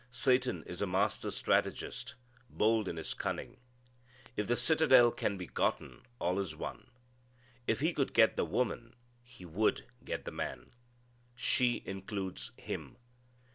Satan is a master strategist, bold in his cunning. If the citadel can be gotten, all is won. If he could get the woman he would get the man. She includes him.